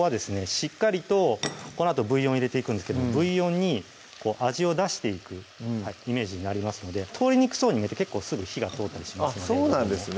しっかりとこのあとブイヨン入れていくんですけどもブイヨンに味を出していくイメージになりますので通りにくそうに見えて結構すぐ火が通ったりしますのでそうなんですね